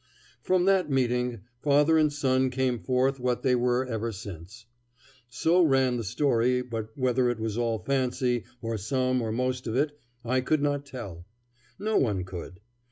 From that meeting father and son came forth what they were ever since. So ran the story, but whether it was all fancy, or some or most of it, I could not tell. No one could.